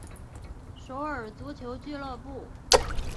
首尔足球俱乐部。